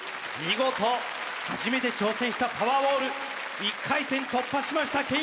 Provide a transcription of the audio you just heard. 見事初めて挑戦したパワーウォール１回戦突破しました